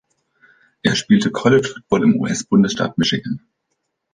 Er spielte College-Football im US-Bundesstaat Michigan.